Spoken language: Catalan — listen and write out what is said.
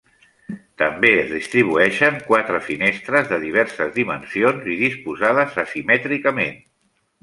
També es distribueixen quatre finestres de diverses dimensions i disposades asimètricament.